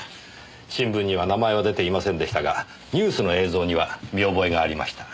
新聞には名前は出ていませんでしたがニュースの映像には見覚えがありました。